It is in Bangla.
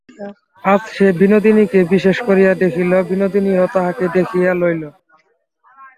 আজ সে বিনোদিনীকে বিশেষ করিয়া দেখিল, বিনোদিনীও তাহাকে দেখিয়া লইল।